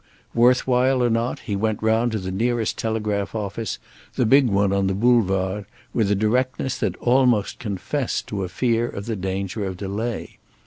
Worth while or not, he went round to the nearest telegraph office, the big one on the Boulevard, with a directness that almost confessed to a fear of the danger of delay.